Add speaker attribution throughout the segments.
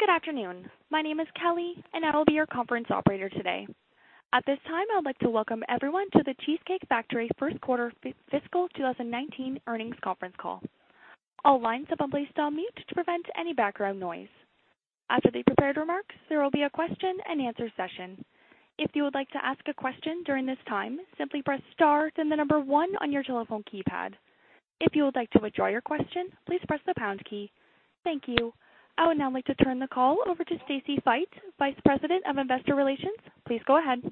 Speaker 1: Good afternoon. My name is Kelly and I will be your conference operator today. At this time, I would like to welcome everyone to The Cheesecake Factory first quarter fiscal 2019 earnings conference call. All lines have been placed on mute to prevent any background noise. After the prepared remarks, there will be a question-and-answer session. If you would like to ask a question during this time, simply press star, then the number one on your telephone keypad. If you would like to withdraw your question, please press the pound key. Thank you. I would now like to turn the call over to Stacy Fite, Vice President of Investor Relations. Please go ahead.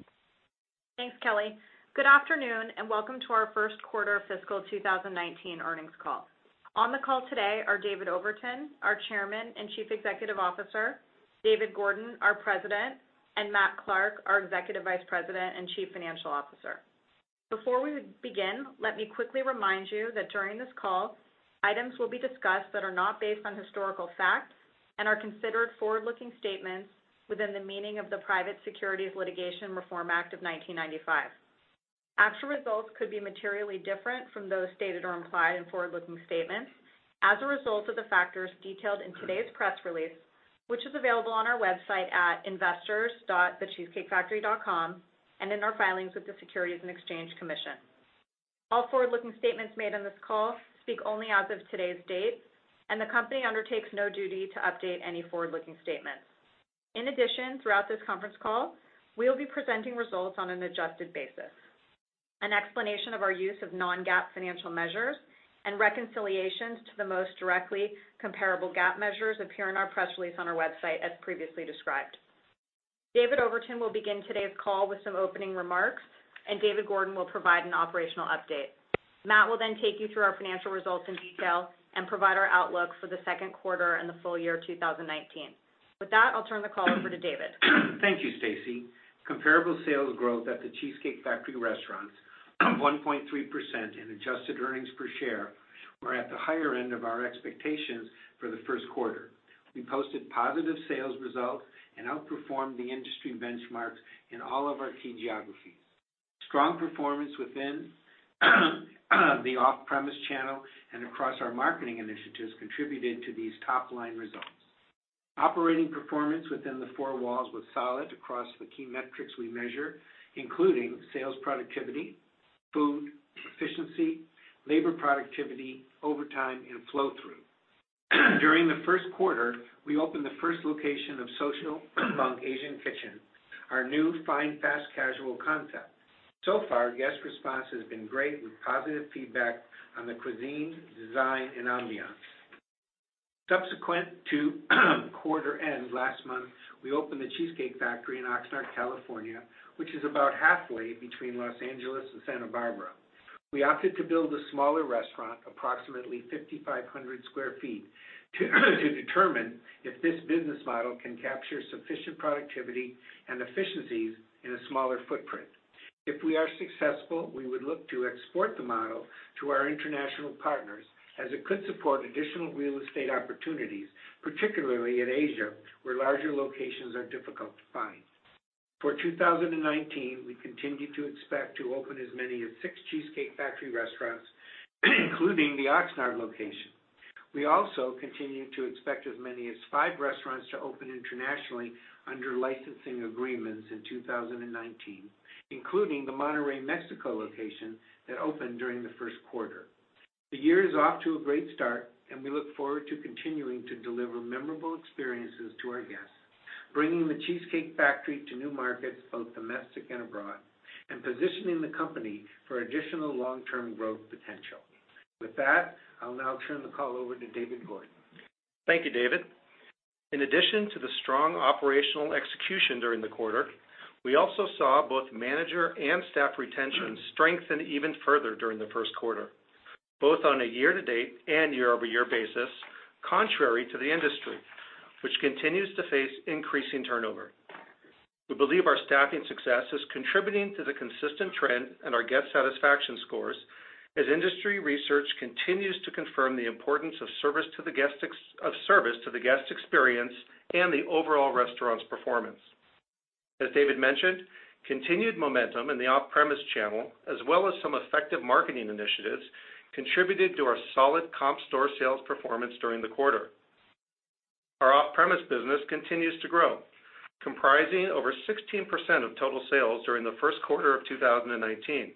Speaker 2: Thanks, Kelly. Good afternoon, and welcome to our first quarter fiscal 2019 earnings call. On the call today are David Overton, our Chairman and Chief Executive Officer, David Gordon, our President, and Matt Clark, our Executive Vice President and Chief Financial Officer. Before we begin, let me quickly remind you that during this call, items will be discussed that are not based on historical facts and are considered forward-looking statements within the meaning of the Private Securities Litigation Reform Act of 1995. Actual results could be materially different from those stated or implied in forward-looking statements as a result of the factors detailed in today's press release, which is available on our website at investors.thecheesecakefactory.com and in our filings with the Securities and Exchange Commission. All forward-looking statements made on this call speak only as of today's date, and the company undertakes no duty to update any forward-looking statements. In addition, throughout this conference call, we will be presenting results on an adjusted basis. An explanation of our use of non-GAAP financial measures and reconciliations to the most directly comparable GAAP measures appear in our press release on our website, as previously described. David Overton will begin today's call with some opening remarks, and David Gordon will provide an operational update. Matt will then take you through our financial results in detail and provide our outlook for the second quarter and the full year 2019. With that, I'll turn the call over to David.
Speaker 3: Thank you, Stacy. Comparable sales growth at The Cheesecake Factory restaurants of 1.3% in adjusted earnings per share were at the higher end of our expectations for the first quarter. We posted positive sales results and outperformed the industry benchmarks in all of our key geographies. Strong performance within the off-premise channel and across our marketing initiatives contributed to these top-line results. Operating performance within the four walls was solid across the key metrics we measure, including sales productivity, food, efficiency, labor productivity, overtime, and flow through. During the first quarter, we opened the first location of Social Monk Asian Kitchen, our new fast fine casual concept. So far, guest response has been great with positive feedback on the cuisine, design, and ambiance. Subsequent to quarter end last month, we opened The Cheesecake Factory in Oxnard, California, which is about halfway between Los Angeles and Santa Barbara. We opted to build a smaller restaurant, approximately 5,500 square feet, to determine if this business model can capture sufficient productivity and efficiencies in a smaller footprint. If we are successful, we would look to export the model to our international partners as it could support additional real estate opportunities, particularly in Asia, where larger locations are difficult to find. For 2019, we continue to expect to open as many as six Cheesecake Factory restaurants, including the Oxnard location. We also continue to expect as many as five restaurants to open internationally under licensing agreements in 2019, including the Monterrey, Mexico location that opened during the first quarter. The year is off to a great start, and we look forward to continuing to deliver memorable experiences to our guests, bringing The Cheesecake Factory to new markets, both domestic and abroad, and positioning the company for additional long-term growth potential. With that, I'll now turn the call over to David Gordon.
Speaker 4: Thank you, David. In addition to the strong operational execution during the quarter, we also saw both manager and staff retention strengthen even further during the first quarter, both on a year to date and year-over-year basis, contrary to the industry, which continues to face increasing turnover. We believe our staffing success is contributing to the consistent trend in our guest satisfaction scores, as industry research continues to confirm the importance of service to the guest experience and the overall restaurant's performance. As David mentioned, continued momentum in the off-premise channel, as well as some effective marketing initiatives, contributed to our solid comp store sales performance during the quarter. Our off-premise business continues to grow, comprising over 16% of total sales during the first quarter of 2019.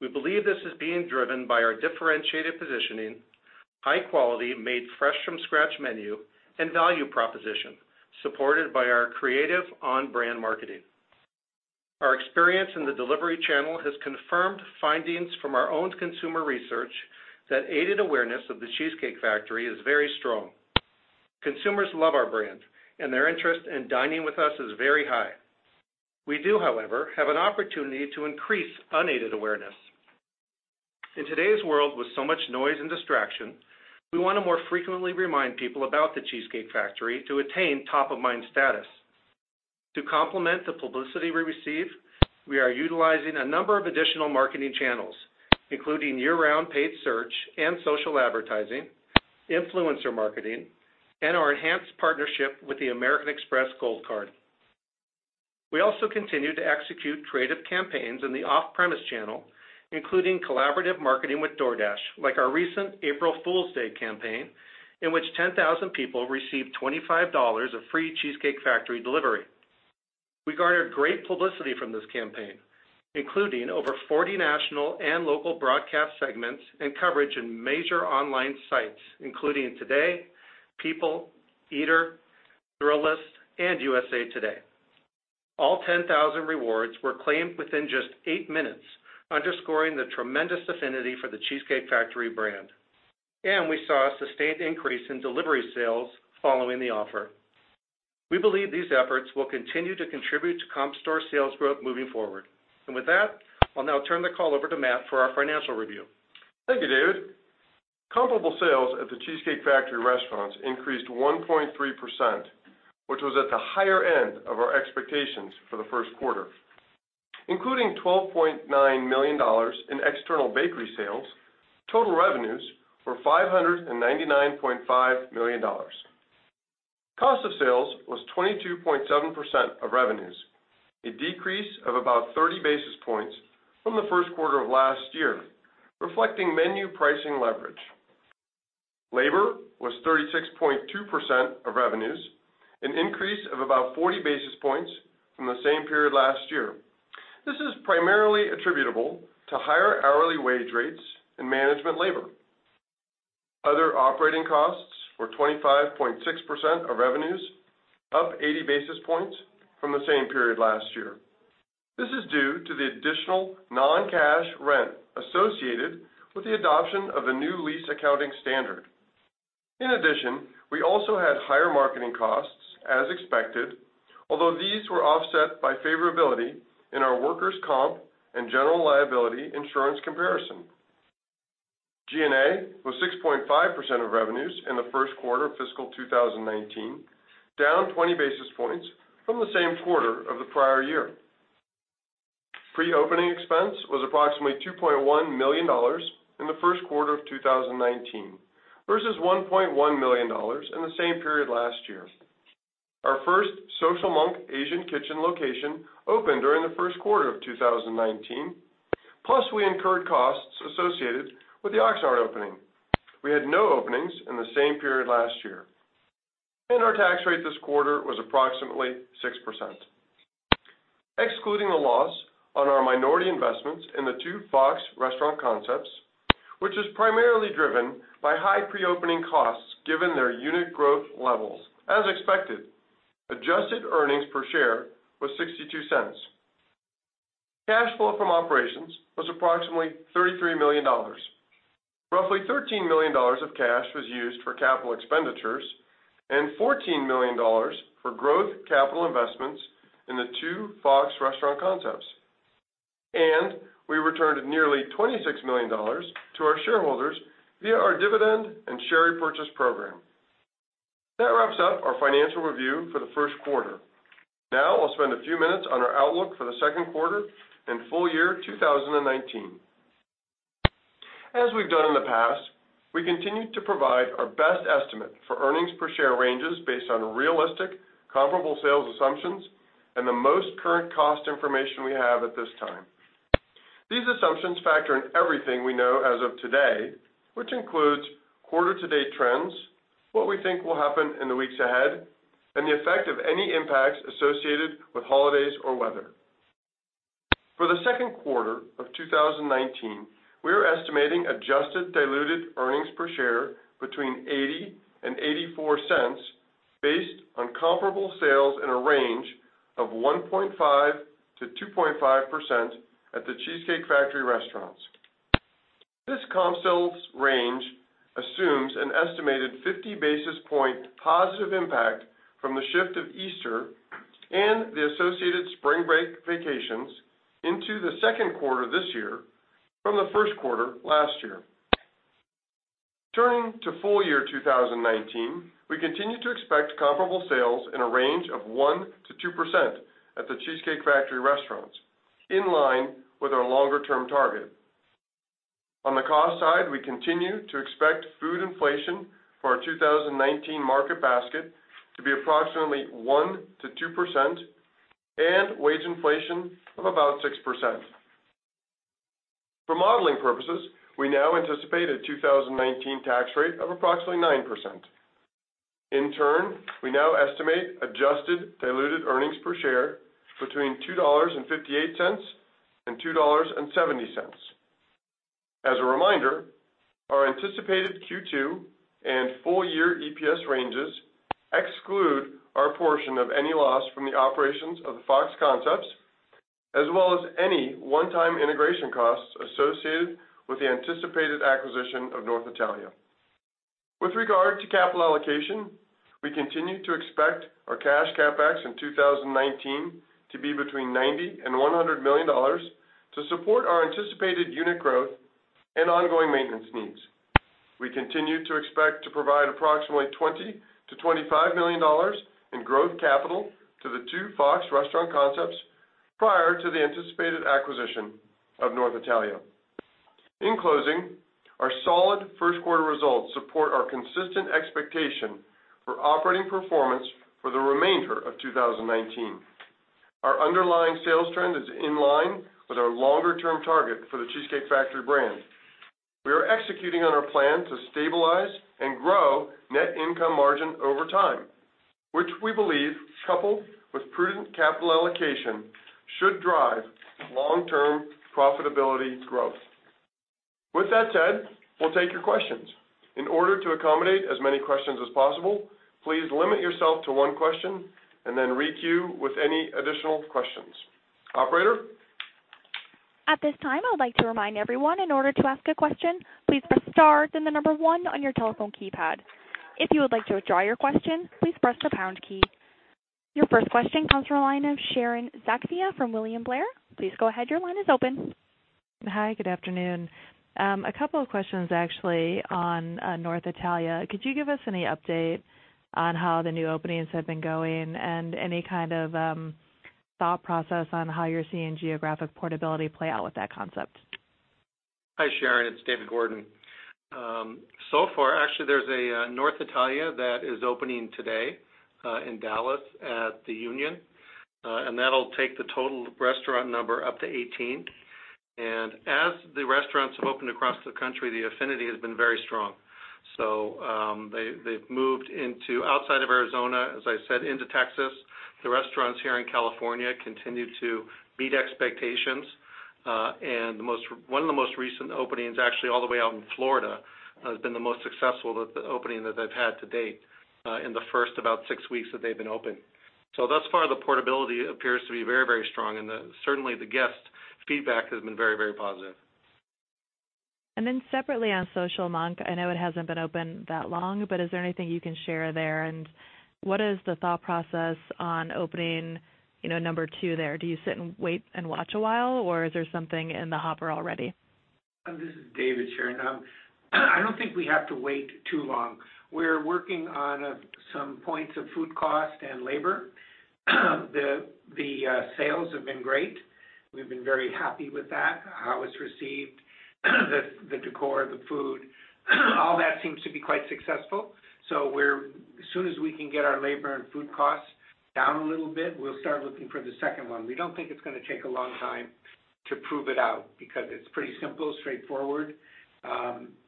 Speaker 4: We believe this is being driven by our differentiated positioning, high quality, made fresh from scratch menu, and value proposition, supported by our creative on-brand marketing. Our experience in the delivery channel has confirmed findings from our own consumer research that aided awareness of The Cheesecake Factory is very strong. Consumers love our brand, and their interest in dining with us is very high. We do, however, have an opportunity to increase unaided awareness. In today's world with so much noise and distraction, we want to more frequently remind people about The Cheesecake Factory to attain top of mind status. To complement the publicity we receive, we are utilizing a number of additional marketing channels, including year-round paid search and social advertising, influencer marketing, and our enhanced partnership with the American Express Gold Card. We also continue to execute creative campaigns in the off-premise channel, including collaborative marketing with DoorDash, like our recent April Fools' Day campaign, in which 10,000 people received $25 of free Cheesecake Factory delivery. We garnered great publicity from this campaign, including over 40 national and local broadcast segments, and coverage in major online sites, including Today, People, Eater, Thrillist, and USA Today. All 10,000 rewards were claimed within just eight minutes, underscoring the tremendous affinity for The Cheesecake Factory brand. We saw a sustained increase in delivery sales following the offer. We believe these efforts will continue to contribute to comp store sales growth moving forward. With that, I'll now turn the call over to Matt for our financial review.
Speaker 5: Thank you, David. Comparable sales at The Cheesecake Factory restaurants increased 1.3%, which was at the higher end of our expectations for the first quarter. Including $12.9 million in external bakery sales, total revenues were $599.5 million. Cost of sales was 22.7% of revenues, a decrease of about 30 basis points from the first quarter of last year, reflecting menu pricing leverage. Labor was 36.2% of revenues, an increase of about 40 basis points from the same period last year. This is primarily attributable to higher hourly wage rates and management labor. Other operating costs were 25.6% of revenues, up 80 basis points from the same period last year. This is due to the additional non-cash rent associated with the adoption of the new lease accounting standard. In addition, we also had higher marketing costs as expected, although these were offset by favorability in our workers' comp and general liability insurance comparison. G&A was 6.5% of revenues in the first quarter of fiscal 2019, down 20 basis points from the same quarter of the prior year. Pre-opening expense was approximately $2.1 million in the first quarter of 2019, versus $1.1 million in the same period last year. Our first Social Monk Asian Kitchen location opened during the first quarter of 2019. Plus, we incurred costs associated with the Oxnard opening. We had no openings in the same period last year. Our tax rate this quarter was approximately 6%. Excluding the loss on our minority investments in the two Fox Restaurant Concepts, which is primarily driven by high pre-opening costs given their unit growth levels, as expected, adjusted earnings per share was $0.62. Cash flow from operations was approximately $33 million. Roughly $13 million of cash was used for capital expenditures, and $14 million for growth capital investments in the two Fox Restaurant Concepts. We returned nearly $26 million to our shareholders via our dividend and share repurchase program. That wraps up our financial review for the first quarter. I'll spend a few minutes on our outlook for the second quarter and full year 2019. As we've done in the past, we continue to provide our best estimate for earnings per share ranges based on realistic comparable sales assumptions and the most current cost information we have at this time. These assumptions factor in everything we know as of today, which includes quarter to date trends, what we think will happen in the weeks ahead, and the effect of any impacts associated with holidays or weather. For the second quarter of 2019, we are estimating adjusted diluted earnings per share between $0.80 and $0.84, based on comparable sales in a range of 1.5%-2.5% at The Cheesecake Factory restaurants. This comp sales range assumes an estimated 50 basis point positive impact from the shift of Easter and the associated spring break vacations into the second quarter this year from the first quarter last year. Full year 2019, we continue to expect comparable sales in a range of 1%-2% at The Cheesecake Factory restaurants, in line with our longer-term target. We continue to expect food inflation for our 2019 market basket to be approximately 1%-2%, and wage inflation of about 6%. For modeling purposes, we now anticipate a 2019 tax rate of approximately 9%. We now estimate adjusted diluted earnings per share between $2.58 and $2.70. As a reminder, our anticipated Q2 and full year EPS ranges exclude our portion of any loss from the operations of the Fox Concepts, as well as any one-time integration costs associated with the anticipated acquisition of North Italia. We continue to expect our cash CapEx in 2019 to be between $90 million and $100 million to support our anticipated unit growth and ongoing maintenance needs. We continue to expect to provide approximately $20 million-$25 million in growth capital to the two Fox Restaurant Concepts prior to the anticipated acquisition of North Italia. Our solid first quarter results support our consistent expectation for operating performance for the remainder of 2019. Our underlying sales trend is in line with our longer-term target for The Cheesecake Factory brand. We are executing on our plan to stabilize and grow net income margin over time, which we believe, coupled with prudent capital allocation, should drive long-term profitability growth. We'll take your questions. In order to accommodate as many questions as possible, please limit yourself to one question and then re-queue with any additional questions. Operator?
Speaker 1: At this time, I would like to remind everyone, in order to ask a question, please press star, then the number one on your telephone keypad. If you would like to withdraw your question, please press the pound key. Your first question comes from the line of Sharon Zackfia from William Blair. Please go ahead, your line is open.
Speaker 6: Hi, good afternoon. A couple of questions, actually, on North Italia. Could you give us any update on how the new openings have been going and any kind of thought process on how you're seeing geographic portability play out with that concept?
Speaker 4: Hi, Sharon. It's David Gordon. Far, actually, there's a North Italia that is opening today in Dallas at The Union, and that'll take the total restaurant number up to 18. As the restaurants have opened across the country, the affinity has been very strong. They've moved into outside of Arizona, as I said, into Texas. The restaurants here in California continue to beat expectations. One of the most recent openings, actually all the way out in Florida, has been the most successful opening that they've had to date in the first about six weeks that they've been open. Thus far, the portability appears to be very strong, and certainly, the guest feedback has been very positive.
Speaker 6: Then separately on Social Monk, I know it hasn't been open that long, but is there anything you can share there? And what is the thought process on opening number two there? Do you sit and wait and watch a while, or is there something in the hopper already?
Speaker 4: This is David, Sharon. I don't think we have to wait too long. We're working on some points of food cost and labor. The sales have been great. We've been very happy with that, how it's received, the decor, the food, all that seems to be quite successful. As soon as we can get our labor and food costs down a little bit, we'll start looking for the second one. We don't think it's going to take a long time to prove it out because it's pretty simple, straightforward.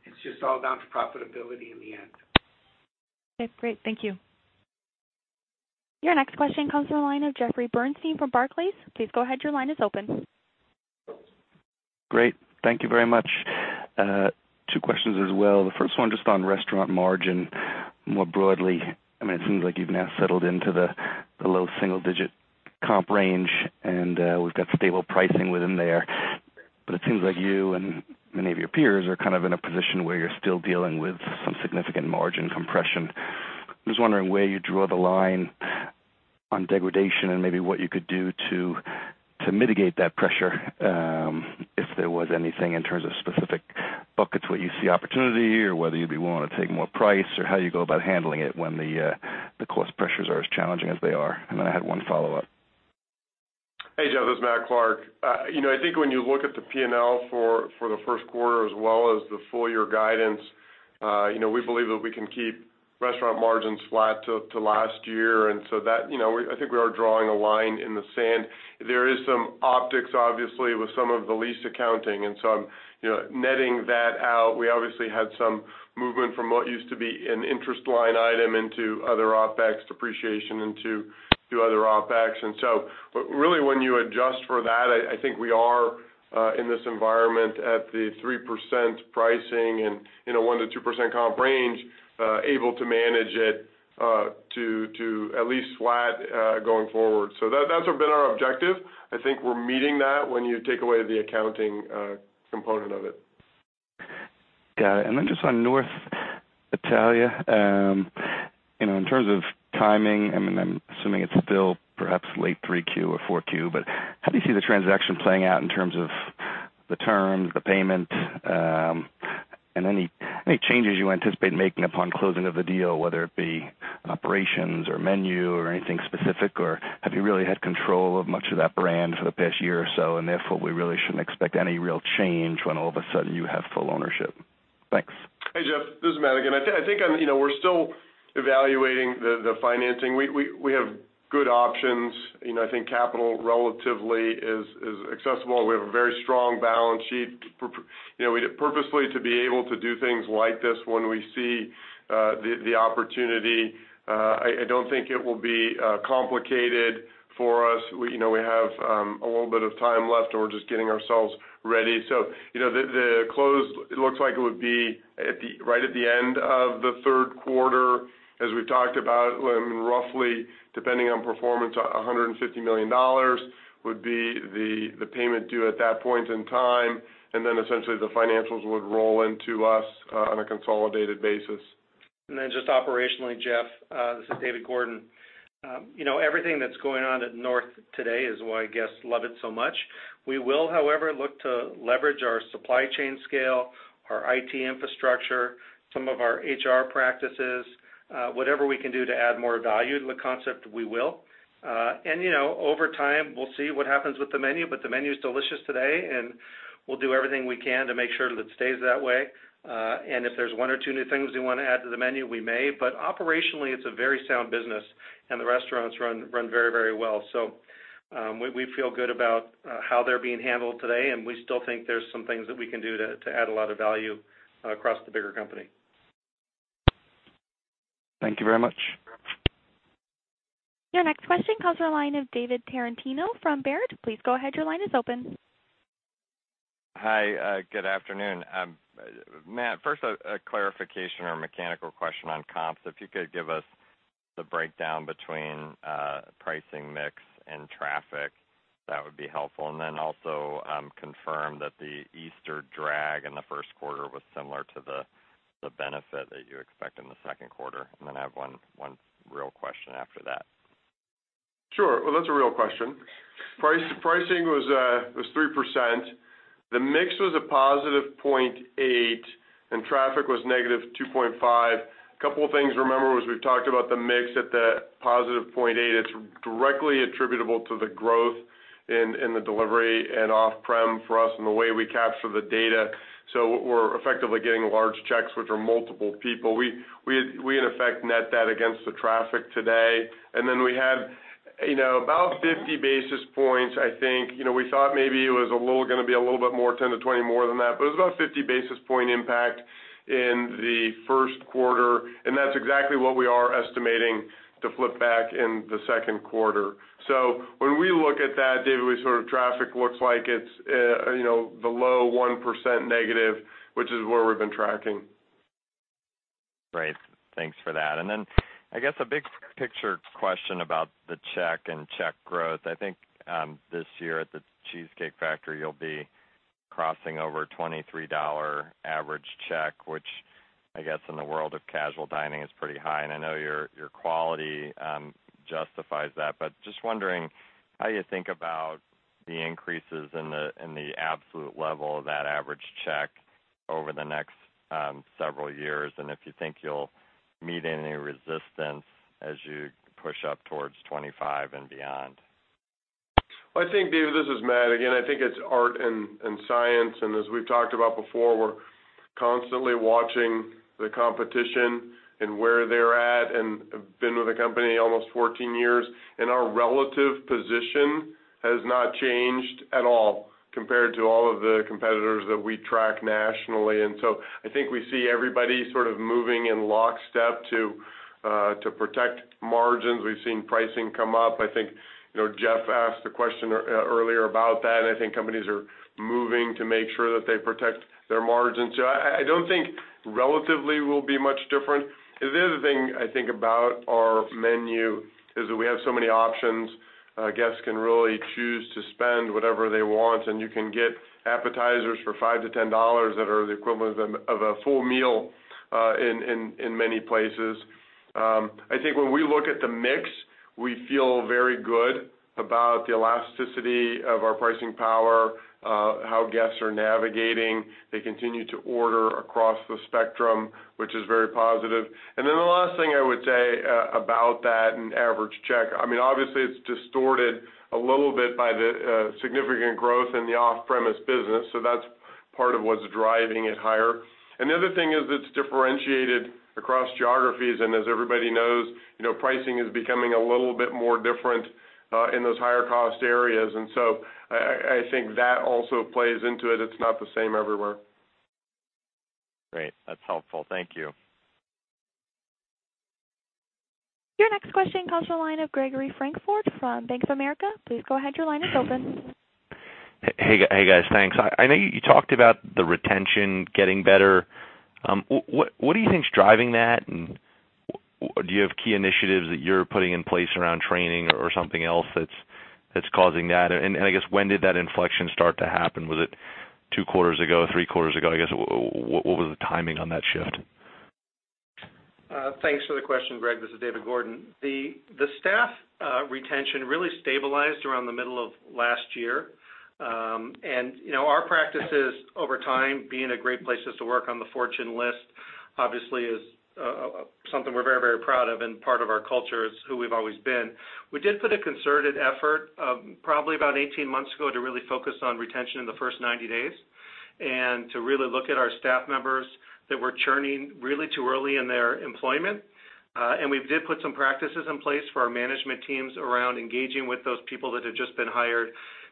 Speaker 4: It's just all down to profitability in the end.
Speaker 6: Okay, great. Thank you.
Speaker 1: Your next question comes from the line of Jeffrey Bernstein from Barclays. Please go ahead, your line is open.
Speaker 7: Great. Thank you very much. Two questions as well. The first one just on restaurant margin. More broadly, it seems like you've now settled into the low single-digit comp range, and we've got stable pricing within there. It seems like you and many of your peers are in a position where you're still dealing with some significant margin compression. Just wondering where you draw the line on degradation and maybe what you could do to mitigate that pressure, if there was anything in terms of specific buckets where you see opportunity or whether you'd be willing to take more price, or how you go about handling it when the cost pressures are as challenging as they are. Then I had one follow-up.
Speaker 5: Hey, Jeff, this is Matthew Clark. I think when you look at the P&L for the first quarter as well as the full-year guidance, we believe that we can keep restaurant margins flat to last year. I think we are drawing a line in the sand. There is some optics, obviously, with some of the lease accounting, netting that out, we obviously had some movement from what used to be an interest line item into other OpEx depreciation into other OpEx. Really, when you adjust for that, I think we are in this environment at the 3% pricing and 1%-2% comp range, able to manage it to at least flat going forward. That's been our objective. I think we're meeting that when you take away the accounting component of it.
Speaker 7: Got it. Just on North Italia, in terms of timing, I'm assuming it's still perhaps late Q3 or Q4, but how do you see the transaction playing out in terms of the terms, the payment, and any changes you anticipate making upon closing of the deal, whether it be operations or menu or anything specific? Have you really had control of much of that brand for the past year or so, and therefore, we really shouldn't expect any real change when all of a sudden you have full ownership. Thanks.
Speaker 5: Hey, Jeff, this is Matt again. I think we're still evaluating the financing. We have good options. I think capital relatively is accessible. We have a very strong balance sheet purposely to be able to do things like this when we see the opportunity. I don't think it will be complicated for us. We have a little bit of time left, and we're just getting ourselves ready. The close, it looks like it would be right at the end of the third quarter as we talked about. Roughly, depending on performance, $150 million would be the payment due at that point in time, essentially the financials would roll into us on a consolidated basis.
Speaker 4: Just operationally, Jeff, this is David Gordon. Everything that's going on at North today is why guests love it so much. We will, however, look to leverage our supply chain scale, our IT infrastructure, some of our HR practices, whatever we can do to add more value to the concept, we will. Over time, we'll see what happens with the menu, but the menu is delicious today, and we'll do everything we can to make sure that it stays that way. If there's one or two new things we want to add to the menu, we may. Operationally, it's a very sound business and the restaurants run very well. We feel good about how they're being handled today, and we still think there's some things that we can do to add a lot of value across the bigger company.
Speaker 7: Thank you very much.
Speaker 1: Your next question comes from the line of David Tarantino from Baird. Please go ahead, your line is open.
Speaker 8: Hi, good afternoon. Matt, first, a clarification or mechanical question on comps. If you could give us the breakdown between pricing mix and traffic, that would be helpful. Also, confirm that the Easter drag in the first quarter was similar to the benefit that you expect in the second quarter. I have one real question after that.
Speaker 5: Sure. Well, that's a real question. Pricing was 3%, the mix was a positive 0.8%, and traffic was negative 2.5%. A couple of things, remember, was we've talked about the mix at the positive 0.8%. It's directly attributable to the growth in the delivery and off-prem for us and the way we capture the data. We're effectively getting large checks, which are multiple people. We, in effect, net that against the traffic today. We had about 50 basis points, I think. We thought maybe it was going to be a little bit more, 10-20 more than that, but it was about a 50 basis point impact in the first quarter, and that's exactly what we are estimating to flip back in the second quarter. When we look at that, David, traffic looks like it's below 1% negative, which is where we've been tracking.
Speaker 8: Great. Thanks for that. Then I guess a big picture question about the check and check growth. I think this year at The Cheesecake Factory, you'll be crossing over a $23 average check, which I guess in the world of casual dining is pretty high. I know your quality justifies that, but just wondering how you think about the increases in the absolute level of that average check over the next several years, if you think you'll meet any resistance as you push up towards 25 and beyond.
Speaker 5: Well, David, this is Matt again. I think it's art and science. As we've talked about before, we're constantly watching the competition and where they're at. I've been with the company almost 14 years, our relative position has not changed at all compared to all of the competitors that we track nationally. I think we see everybody sort of moving in lockstep to protect margins. We've seen pricing come up. I think Jeff asked a question earlier about that. I think companies are moving to make sure that they protect their margins. I don't think relatively we'll be much different. The other thing I think about our menu is that we have so many options. Guests can really choose to spend whatever they want. You can get appetizers for $5-$10 that are the equivalent of a full meal in many places. I think when we look at the mix, we feel very good about the elasticity of our pricing power, how guests are navigating. They continue to order across the spectrum, which is very positive. Then the last thing I would say about that, in average check, obviously it's distorted a little bit by the significant growth in the off-premise business, that's part of what's driving it higher. The other thing is it's differentiated across geographies. As everybody knows, pricing is becoming a little bit more different in those higher cost areas. I think that also plays into it. It's not the same everywhere.
Speaker 8: Great. That's helpful. Thank you.
Speaker 1: Your next question comes from the line of Gregory Francfort from Bank of America. Please go ahead, your line is open.
Speaker 9: Hey, guys. Thanks. I know you talked about the retention getting better. What do you think is driving that? Do you have key initiatives that you're putting in place around training or something else that's causing that? I guess when did that inflection start to happen? Was it two quarters ago, three quarters ago? I guess, what was the timing on that shift?
Speaker 4: Thanks for the question, Greg. This is David Gordon. The staff retention really stabilized around the middle of last year. Our practices over time, being a great places to work on the Fortune list, obviously is something we're very proud of, and part of our culture. It's who we've always been. We did put a concerted effort, probably about 18 months ago, to really focus on retention in the first 90 days and to really look at our staff members that were churning really too early in their employment. We did put some practices in place for our management teams around engaging with those people that had just been hired,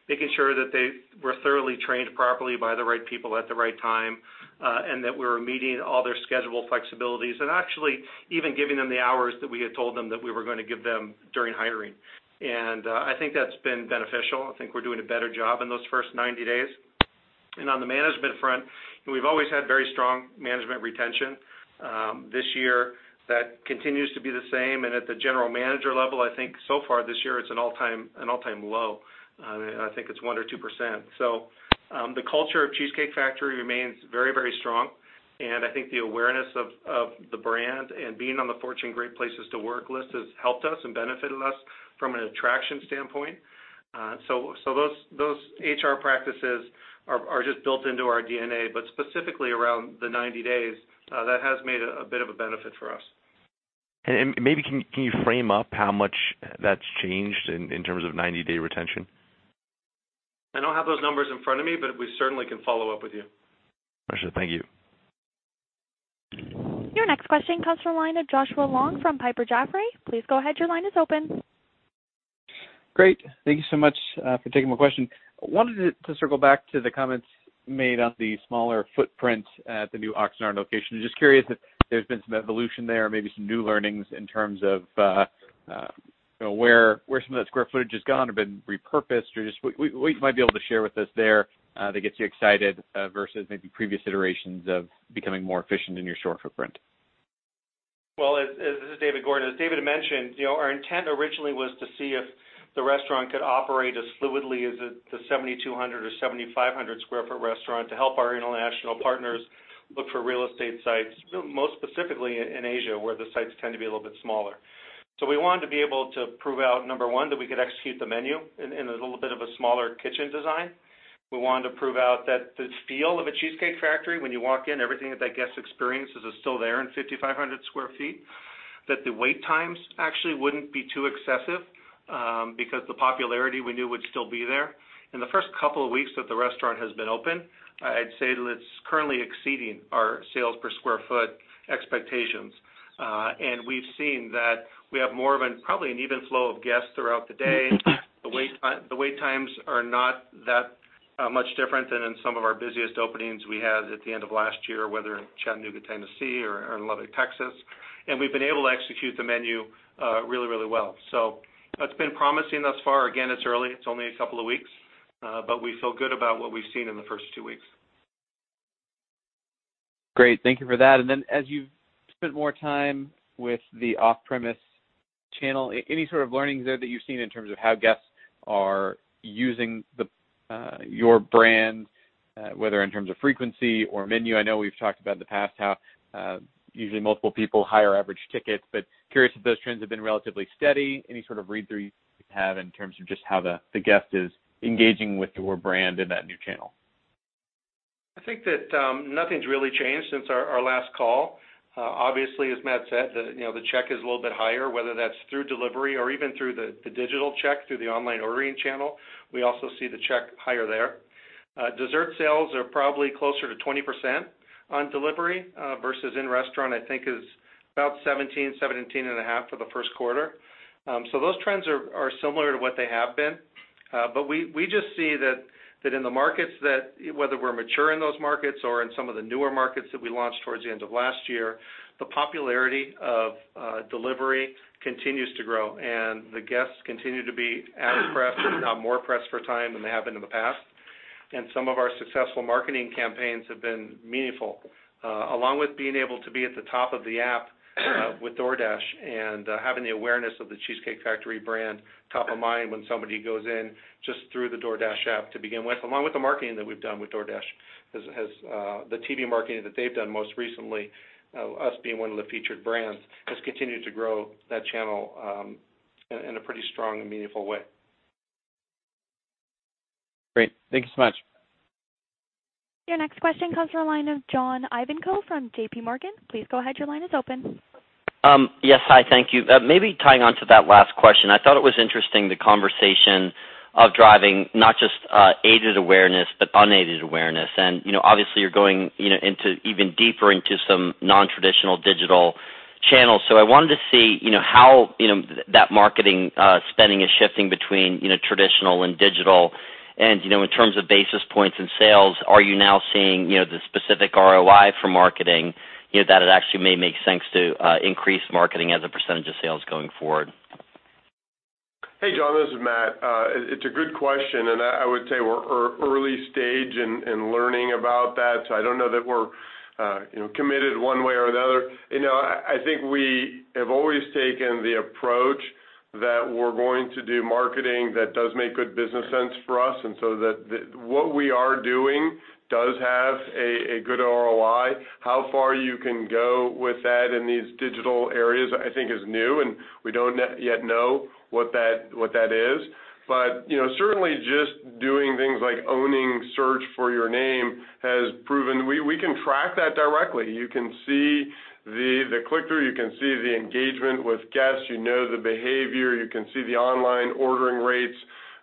Speaker 4: making sure that they were thoroughly trained properly by the right people at the right time, and that we were meeting all their schedule flexibilities. Actually, even giving them the hours that we had told them that we were going to give them during hiring. I think that's been beneficial. I think we're doing a better job in those first 90 days. On the management front, we've always had very strong management retention. This year, that continues to be the same, and at the general manager level, I think so far this year, it's an all-time low. I think it's 1% or 2%. The culture of The Cheesecake Factory remains very strong, and I think the awareness of the brand and being on the Fortune great places to work list has helped us and benefited us from an attraction standpoint. So those HR practices are just built into our DNA, but specifically around the 90 days, that has made a bit of a benefit for us.
Speaker 9: Maybe can you frame up how much that's changed in terms of 90-day retention?
Speaker 4: I don't have those numbers in front of me, we certainly can follow up with you.
Speaker 9: Got you. Thank you.
Speaker 1: Your next question comes from the line of Joshua Long from Piper Sandler. Please go ahead, your line is open.
Speaker 10: Great. Thank you so much for taking my question. I wanted to circle back to the comments made on the smaller footprint at the new Oxnard location. Just curious if there's been some evolution there, maybe some new learnings in terms of where some of that square footage has gone or been repurposed, or just what you might be able to share with us there that gets you excited versus maybe previous iterations of becoming more efficient in your store footprint.
Speaker 4: Well, this is David Gordon. As David mentioned, our intent originally was to see if the restaurant could operate as fluidly as the 7,200 or 7,500 square foot restaurant to help our international partners look for real estate sites, most specifically in Asia, where the sites tend to be a little bit smaller. We wanted to be able to prove out, number 1, that we could execute the menu in a little bit of a smaller kitchen design. We wanted to prove out that the feel of a The Cheesecake Factory, when you walk in, everything that that guest experiences is still there in 5,500 square feet. That the wait times actually wouldn't be too excessive, because the popularity we knew would still be there. In the first couple of weeks that the restaurant has been open, I'd say that it's currently exceeding our sales per square foot expectations. We've seen that we have more of probably an even flow of guests throughout the day. The wait times are not that much different than in some of our busiest openings we had at the end of last year, whether in Chattanooga, Tennessee, or in Lubbock, Texas. We've been able to execute the menu really well. It's been promising thus far. Again, it's early. It's only a couple of weeks. We feel good about what we've seen in the first two weeks.
Speaker 10: Great. Thank you for that. As you've spent more time with the off-premise channel, any sort of learnings there that you've seen in terms of how guests are using your brand, whether in terms of frequency or menu? I know we've talked about in the past how usually multiple people, higher average tickets, but curious if those trends have been relatively steady. Any sort of read-through you have in terms of just how the guest is engaging with your brand in that new channel?
Speaker 4: I think that nothing's really changed since our last call. Obviously, as Matt said, the check is a little bit higher, whether that's through delivery or even through the digital check, through the online ordering channel. We also see the check higher there. Dessert sales are probably closer to 20% on delivery versus in restaurant, I think is about 17%, 17.5% for the first quarter. Those trends are similar to what they have been. We just see that in the markets that, whether we're mature in those markets or in some of the newer markets that we launched towards the end of last year, the popularity of delivery continues to grow, and the guests continue to be as pressed, if not more pressed for time than they have been in the past. Some of our successful marketing campaigns have been meaningful. Along with being able to be at the top of the app with DoorDash and having the awareness of The Cheesecake Factory brand top of mind when somebody goes in just through the DoorDash app to begin with, along with the marketing that we've done with DoorDash, the TV marketing that they've done most recently, us being one of the featured brands, has continued to grow that channel in a pretty strong and meaningful way.
Speaker 10: Great. Thank you so much.
Speaker 1: Your next question comes from the line of John Ivankoe from JPMorgan. Please go ahead, your line is open.
Speaker 11: Yes, hi. Thank you. Maybe tying on to that last question. I thought it was interesting, the conversation of driving not just aided awareness, but unaided awareness. Obviously you're going even deeper into some non-traditional digital channels. I wanted to see how that marketing spending is shifting between traditional and digital. In terms of basis points and sales, are you now seeing the specific ROI for marketing, that it actually may make sense to increase marketing as a percentage of sales going forward?
Speaker 5: Hey, John, this is Matt. It's a good question. I would say we're early stage in learning about that. I don't know that we're committed one way or another. I think we have always taken the approach that we're going to do marketing that does make good business sense for us. What we are doing does have a good ROI. How far you can go with that in these digital areas, I think, is new. We don't yet know what that is. Certainly just doing things like owning search for your name has proven. We can track that directly. You can see the click-through, you can see the engagement with guests, you know the behavior, you can see the online ordering rates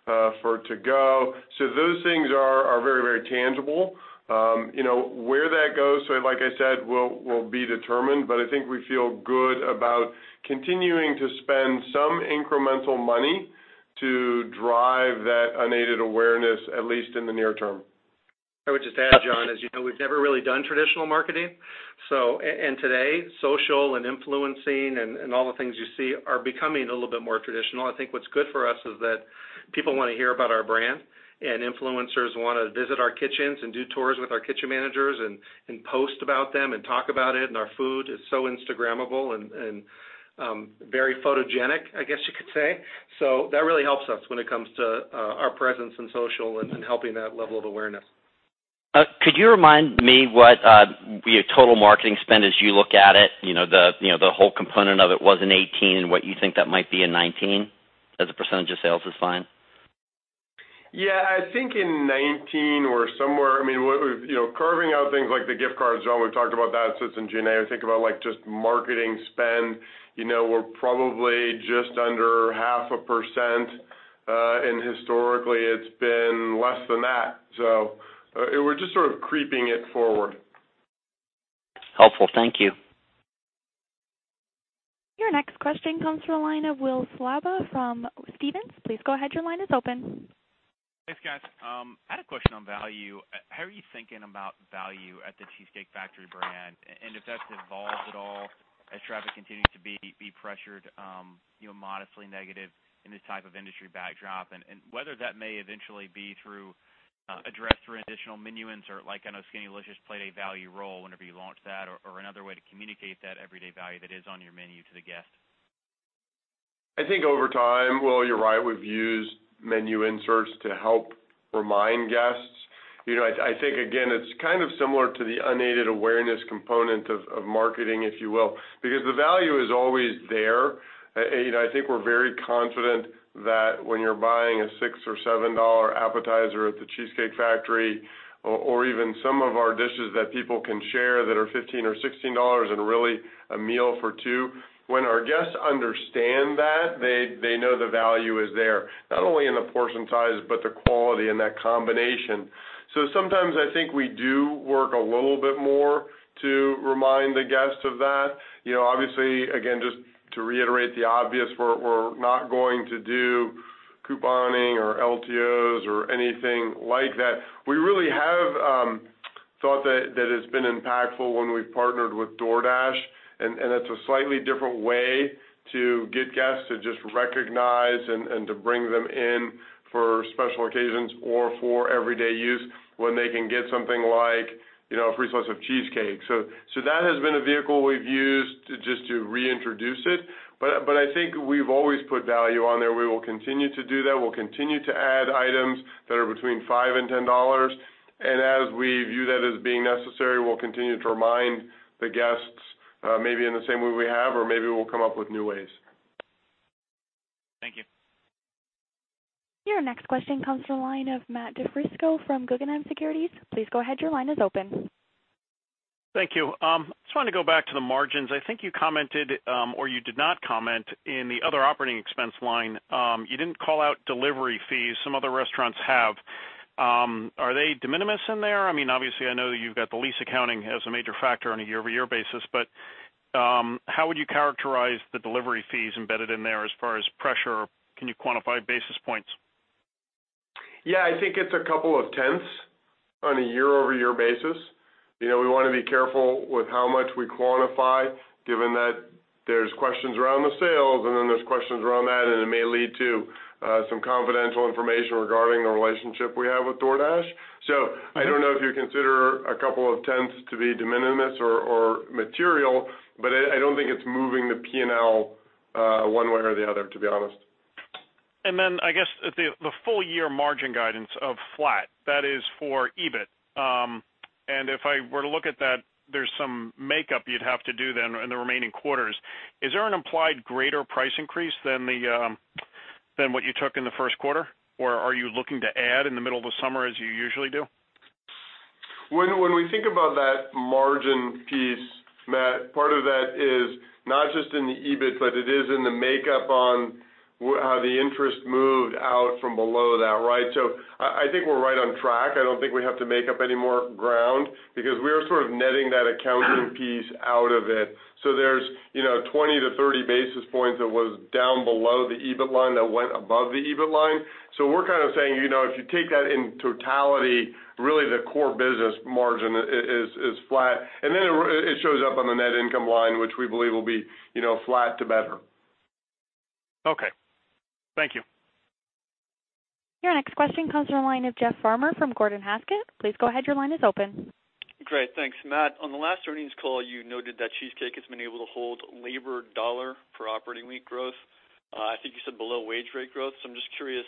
Speaker 5: for to-go. Those things are very tangible. Where that goes, like I said, will be determined. I think we feel good about continuing to spend some incremental money to drive that unaided awareness, at least in the near term.
Speaker 4: I would just add, John, as you know, we've never really done traditional marketing. Today, social and influencing and all the things you see are becoming a little bit more traditional. I think what's good for us is that people want to hear about our brand. Influencers want to visit our kitchens and do tours with our kitchen managers and post about them and talk about it. Our food is so Instagrammable and very photogenic, I guess you could say. That really helps us when it comes to our presence in social and helping that level of awareness.
Speaker 11: Could you remind me what your total marketing spend as you look at it, the whole component of it was in 2018, and what you think that might be in 2019 as a percentage of sales is fine?
Speaker 5: I think in 2019 or somewhere, carving out things like the gift cards, so we've talked about that since January. Think about just marketing spend, we're probably just under half a percent, and historically, it's been less than that. We're just sort of creeping it forward.
Speaker 11: Helpful. Thank you.
Speaker 1: Your next question comes from the line of Will Slabaugh from Stephens. Please go ahead, your line is open.
Speaker 12: Thanks, guys. I had a question on value. How are you thinking about value at The Cheesecake Factory brand, and if that's evolved at all as traffic continues to be pressured modestly negative in this type of industry backdrop, and whether that may eventually be addressed through additional menu insert, like I know SkinnyLicious played a value role whenever you launched that or another way to communicate that everyday value that is on your menu to the guest.
Speaker 5: I think over time, Will, you're right. We've used menu inserts to help remind guests. I think, again, it's kind of similar to the unaided awareness component of marketing, if you will, because the value is always there. I think we're very confident that when you're buying a $6 or $7 appetizer at The Cheesecake Factory or even some of our dishes that people can share that are $15 or $16, and really a meal for two, when our guests understand that, they know the value is there, not only in the portion size, but the quality and that combination. Sometimes, I think we do work a little bit more to remind the guests of that. Obviously, again, just to reiterate the obvious, we're not going to do couponing or LTOs or anything like that. We really have thought that it's been impactful when we've partnered with DoorDash, and it's a slightly different way to get guests to just recognize and to bring them in for special occasions or for everyday use when they can get something like a free slice of cheesecake. That has been a vehicle we've used just to reintroduce it. I think we've always put value on there. We will continue to do that. We'll continue to add items that are between $5 and $10. As we view that as being necessary, we'll continue to remind the guests, maybe in the same way we have, or maybe we'll come up with new ways.
Speaker 12: Thank you.
Speaker 1: Your next question comes from the line of Matthew DiFrisco from Guggenheim Securities. Please go ahead. Your line is open.
Speaker 13: Thank you. Just wanted to go back to the margins. I think you commented, or you did not comment in the other operating expense line. You didn't call out delivery fees. Some other restaurants have. Are they de minimis in there? Obviously, I know that you've got the lease accounting as a major factor on a year-over-year basis, but how would you characterize the delivery fees embedded in there as far as pressure? Can you quantify basis points?
Speaker 5: Yeah, I think it's a couple of tenths on a year-over-year basis. We want to be careful with how much we quantify, given that there's questions around the sales, and then there's questions around that, and it may lead to some confidential information regarding the relationship we have with DoorDash. I don't know if you consider a couple of tenths to be de minimis or material, but I don't think it's moving the P&L one way or the other, to be honest.
Speaker 13: I guess, the full year margin guidance of flat, that is for EBIT. If I were to look at that, there's some makeup you'd have to do then in the remaining quarters. Is there an implied greater price increase than what you took in the first quarter? Are you looking to add in the middle of the summer as you usually do?
Speaker 5: When we think about that margin piece, Matt, part of that is not just in the EBIT, but it is in the makeup on how the interest moved out from below that, right? I think we're right on track. I don't think we have to make up any more ground because we are sort of netting that accounting piece out of it. There's 20-30 basis points that was down below the EBIT line that went above the EBIT line. We're kind of saying, if you take that in totality, really the core business margin is flat. It shows up on the net income line, which we believe will be flat to better.
Speaker 13: Okay. Thank you.
Speaker 1: Your next question comes from the line of Jeff Farmer from Gordon Haskett. Please go ahead. Your line is open.
Speaker 14: Great. Thanks, Matt. On the last earnings call, you noted that Cheesecake has been able to hold labor dollar for operating week growth. I think you said below wage rate growth. I'm just curious,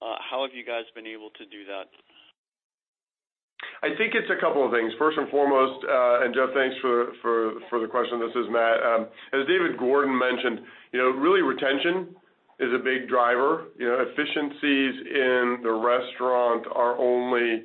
Speaker 14: how have you guys been able to do that?
Speaker 5: I think it's a couple of things. Jeff, thanks for the question. This is Matt. As David Gordon mentioned, really retention is a big driver. Efficiencies in the restaurant are only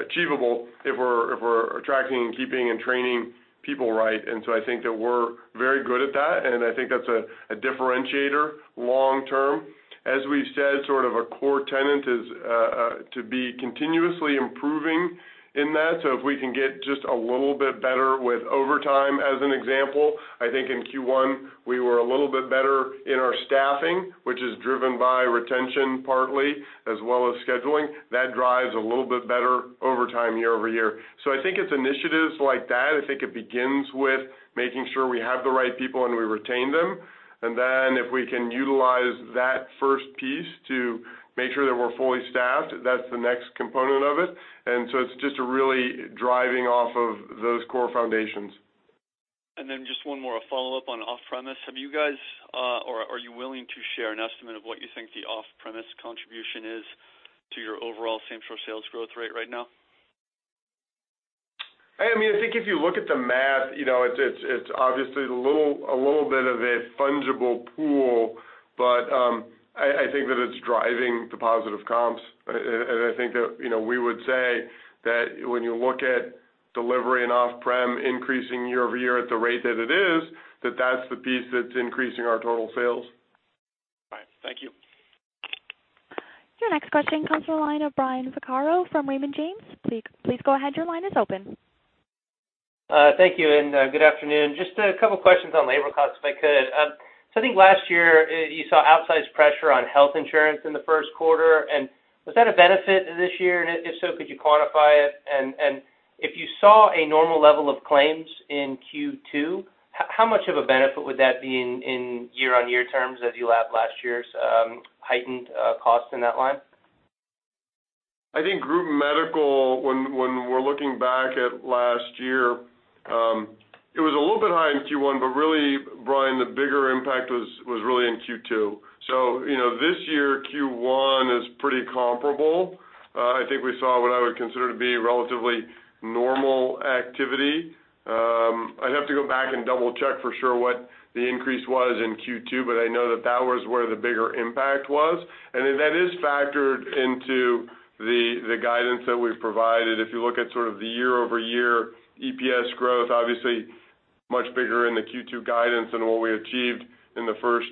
Speaker 5: achievable if we're attracting, keeping, and training people right. I think that we're very good at that, and I think that's a differentiator long term. As we've said, sort of a core tenant is to be continuously improving in that. If we can get just a little bit better with overtime, as an example. I think in Q1, we were a little bit better in our staffing, which is driven by retention partly, as well as scheduling. That drives a little bit better overtime year-over-year. I think it's initiatives like that. I think it begins with making sure we have the right people and we retain them. If we can utilize that first piece to make sure that we're fully staffed, that's the next component of it. It's just really driving off of those core foundations.
Speaker 14: Just one more follow-up on off-premise. Have you guys, or are you willing to share an estimate of what you think the off-premise contribution is to your overall same-store sales growth rate right now?
Speaker 5: I think if you look at the math, it's obviously a little bit of a fungible pool, but I think that it's driving the positive comps. I think that we would say that when you look at delivery and off-prem increasing year-over-year at the rate that it is, that's the piece that's increasing our total sales.
Speaker 14: All right. Thank you.
Speaker 1: Your next question comes from the line of Brian Vaccaro from Raymond James. Please go ahead. Your line is open.
Speaker 15: Thank you, and good afternoon. Just a couple questions on labor costs, if I could. I think last year, you saw outsized pressure on health insurance in the first quarter, and was that a benefit this year? If so, could you quantify it? If you saw a normal level of claims in Q2, how much of a benefit would that be in year-on-year terms as you lap last year's heightened costs in that line?
Speaker 5: I think group medical, when we're looking back at last year, it was a little bit high in Q1. Really, Brian, the bigger impact was really in Q2. This year, Q1 is pretty comparable. I think we saw what I would consider to be relatively normal activity. I'd have to go back and double-check for sure what the increase was in Q2, I know that was where the bigger impact was, and then that is factored into the guidance that we've provided. If you look at sort of the year-over-year EPS growth, obviously much bigger in the Q2 guidance than what we achieved in the first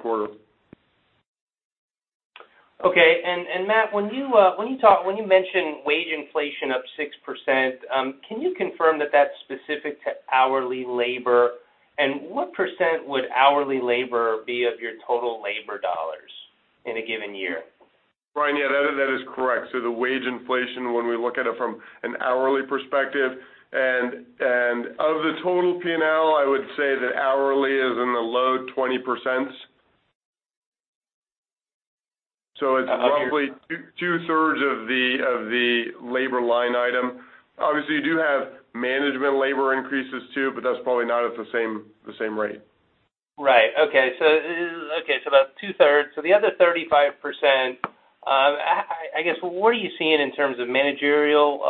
Speaker 5: quarter.
Speaker 15: Okay. Matt, when you mention wage inflation up 6%, can you confirm that that's specific to hourly labor? What % would hourly labor be of your total labor dollars in a given year?
Speaker 5: Brian, yeah, that is correct. The wage inflation, when we look at it from an hourly perspective, and of the total P&L, I would say that hourly is in the low 20%. It's roughly two-thirds of the labor line item. Obviously, you do have management labor increases too, but that's probably not at the same rate.
Speaker 15: Right. Okay, about two-thirds. The other 35%, I guess, what are you seeing in terms of managerial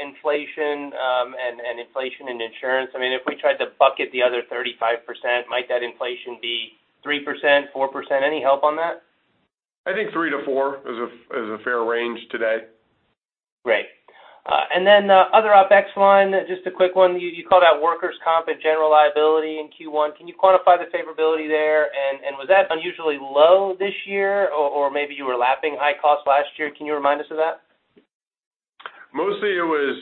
Speaker 15: inflation, and inflation in insurance? If we tried to bucket the other 35%, might that inflation be 3%, 4%? Any help on that?
Speaker 5: I think 3%-4% is a fair range today.
Speaker 15: Great. Other OpEx line, just a quick one. You called out workers' comp and general liability in Q1. Can you quantify the favorability there? Was that unusually low this year? Or maybe you were lapping high costs last year. Can you remind us of that?
Speaker 5: Mostly it was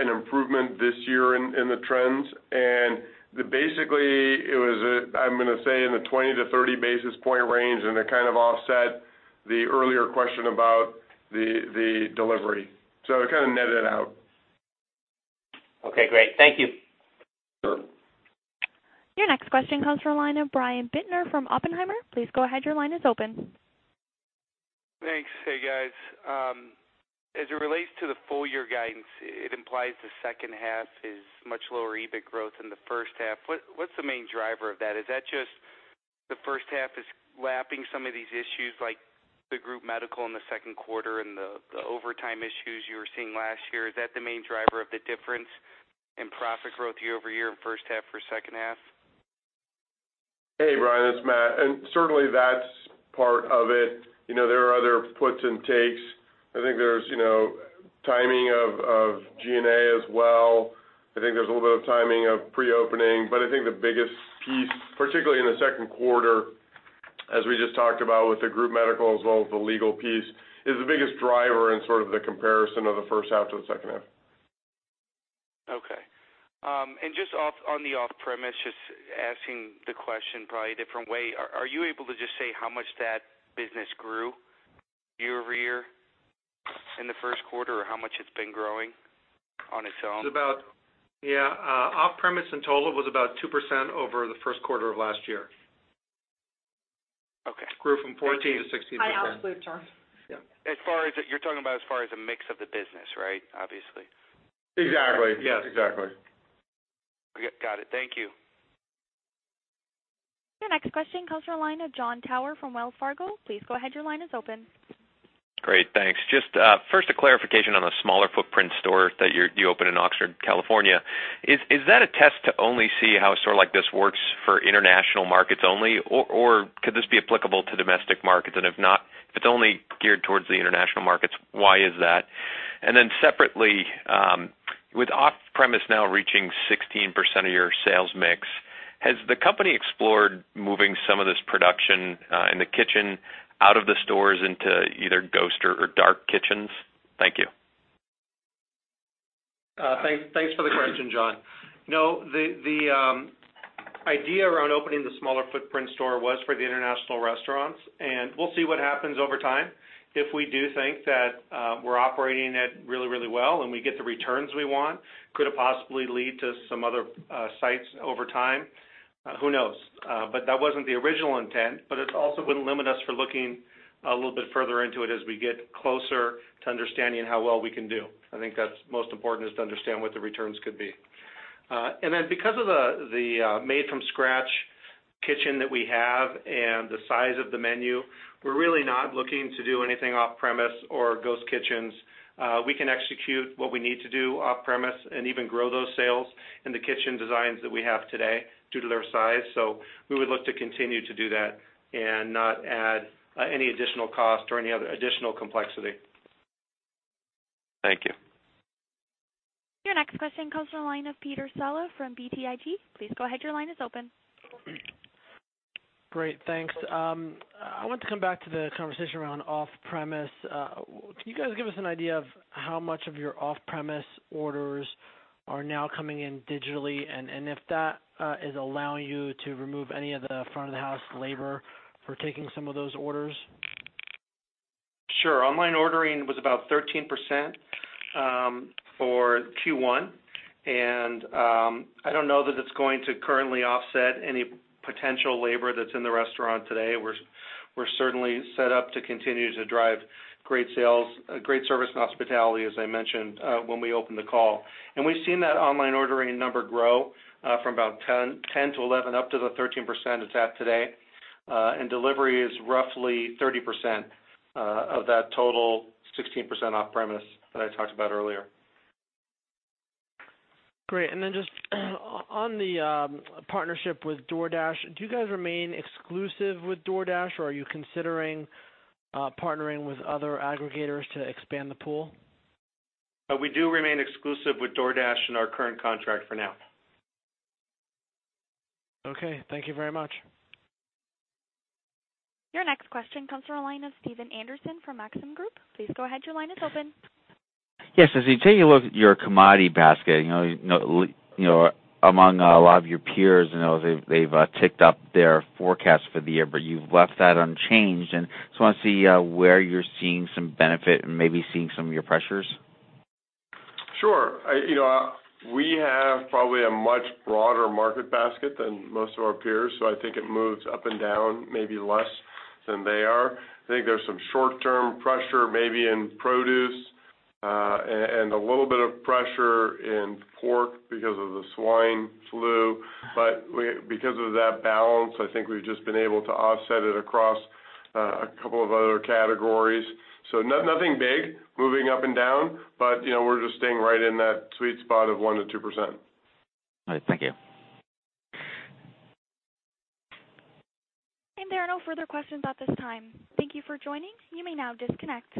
Speaker 5: an improvement this year in the trends. Basically, it was, I'm going to say, in the 20-30 basis point range, and it kind of offset the earlier question about the delivery. It kind of netted out.
Speaker 15: Okay, great. Thank you.
Speaker 5: Sure.
Speaker 1: Your next question comes from the line of Brian Bittner from Oppenheimer. Please go ahead. Your line is open.
Speaker 16: Thanks. Hey, guys. As it relates to the full year guidance, it implies the second half is much lower EBIT growth than the first half. What's the main driver of that? Is that just the first half is lapping some of these issues, like the group medical in the second quarter and the overtime issues you were seeing last year? Is that the main driver of the difference in profit growth year-over-year in first half versus second half?
Speaker 5: Hey, Brian, it's Matt. Certainly that's part of it. There are other puts and takes. I think there's timing of G&A as well. I think there's a little bit of timing of pre-opening. I think the biggest piece, particularly in the second quarter, as we just talked about with the group medical as well as the legal piece, is the biggest driver in sort of the comparison of the first half to the second half.
Speaker 16: Okay. Just on the off-premise, just asking the question probably a different way, are you able to just say how much that business grew year-over-year in the first quarter, or how much it's been growing on its own?
Speaker 4: It's about, off-premise in total was about 2% over the first quarter of last year.
Speaker 16: Okay.
Speaker 4: Grew from 14 to 16.
Speaker 16: High, absolute term.
Speaker 4: Yeah.
Speaker 16: You're talking about as far as the mix of the business, right? Obviously.
Speaker 5: Exactly.
Speaker 4: Yes.
Speaker 5: Exactly.
Speaker 16: Got it. Thank you.
Speaker 1: Your next question comes from the line of John Tower from Wells Fargo. Please go ahead. Your line is open.
Speaker 17: Great. Thanks. First a clarification on the smaller footprint store that you opened in Oxnard, California. Is that a test to only see how a store like this works for international markets only? Or could this be applicable to domestic markets? If not, if it's only geared towards the international markets, why is that? Separately, with off-premise now reaching 16% of your sales mix, has the company explored moving some of this production in the kitchen out of the stores into either ghost or dark kitchens? Thank you.
Speaker 4: Thanks for the question, John. No, the idea around opening the smaller footprint store was for the international restaurants. We'll see what happens over time. If we do think that we're operating it really, really well and we get the returns we want, could it possibly lead to some other sites over time? Who knows? That wasn't the original intent, but it also wouldn't limit us from looking a little bit further into it as we get closer to understanding how well we can do. I think that's most important, is to understand what the returns could be. Because of the made-from-scratch kitchen that we have and the size of the menu, we're really not looking to do anything off-premise or ghost kitchens. We can execute what we need to do off-premise and even grow those sales in the kitchen designs that we have today due to their size. We would look to continue to do that and not add any additional cost or any additional complexity.
Speaker 17: Thank you.
Speaker 1: Your next question comes from the line of Peter Saleh from BTIG. Please go ahead, your line is open.
Speaker 18: Great, thanks. I want to come back to the conversation around off-premise. Can you guys give us an idea of how much of your off-premise orders are now coming in digitally, and if that is allowing you to remove any of the front-of-the-house labor for taking some of those orders?
Speaker 4: Sure. Online ordering was about 13% for Q1. I don't know that it's going to currently offset any potential labor that's in the restaurant today. We're certainly set up to continue to drive great service and hospitality, as I mentioned when we opened the call. We've seen that online ordering number grow from about 10 to 11 up to the 13% it's at today. Delivery is roughly 30% of that total 16% off-premise that I talked about earlier.
Speaker 18: Great, just on the partnership with DoorDash, do you guys remain exclusive with DoorDash, or are you considering partnering with other aggregators to expand the pool?
Speaker 4: We do remain exclusive with DoorDash in our current contract for now.
Speaker 18: Okay. Thank you very much.
Speaker 1: Your next question comes from the line of Stephen Anderson from Maxim Group. Please go ahead, your line is open.
Speaker 19: Yes. As you take a look at your commodity basket, among a lot of your peers, I know they've ticked up their forecast for the year, but you've left that unchanged. I want to see where you're seeing some benefit and maybe seeing some of your pressures.
Speaker 5: Sure. We have probably a much broader market basket than most of our peers. I think it moves up and down maybe less than they are. I think there's some short-term pressure maybe in produce, and a little bit of pressure in pork because of the swine flu. Because of that balance, I think we've just been able to offset it across a couple of other categories. Nothing big moving up and down, but we're just staying right in that sweet spot of 1%-2%.
Speaker 19: All right. Thank you.
Speaker 1: There are no further questions at this time. Thank you for joining. You may now disconnect.